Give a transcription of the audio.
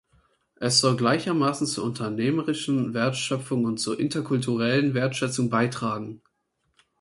Es soll gleichermaßen zur unternehmerischen Wertschöpfung und zur interkulturellen Wertschätzung beitragen.